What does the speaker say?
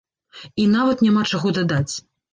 І нават няма чаго дадаць.